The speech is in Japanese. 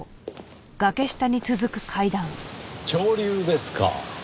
潮流ですか。